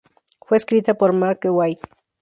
Fue escrita por Mark Waid.